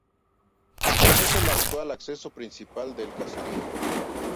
Es el actual acceso principal del caserío.